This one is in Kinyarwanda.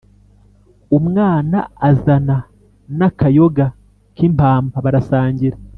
Umwana Azana n' akayoga k' impamba barasangira